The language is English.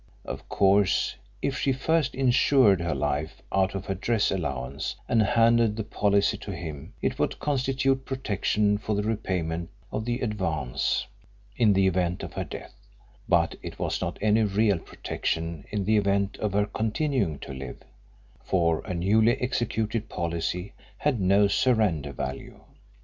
Of course, if she first insured her life out of her dress allowance and handed the policy to him it would constitute protection for the repayment of the advance, in the event of her death, but it was not any real protection in the event of her continuing to live, for a newly executed policy had no surrender value.